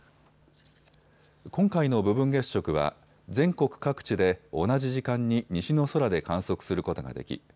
今回の部分月食は全国各地で同じ時間に西の空で観測することができ